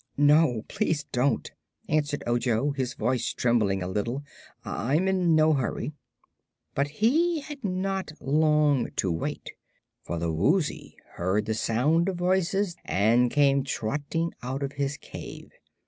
"No; please don't," answered Ojo, his voice trembling a little. "I'm in no hurry." But he had not long to wait, for the Woozy heard the sound of voices and came trotting out of his cave.